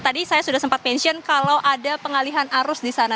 tadi saya sudah sempat mention kalau ada pengalihan arus di sana